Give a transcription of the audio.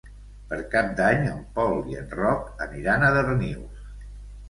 Per Cap d'Any en Pol i en Roc aniran a Darnius.